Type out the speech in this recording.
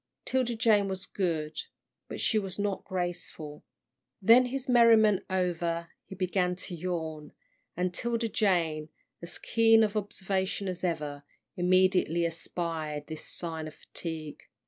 'Tilda Jane was good, but she was not graceful. Then his merriment over, he began to yawn, and 'Tilda Jane, as keen of observation as ever, immediately espied this sign of fatigue.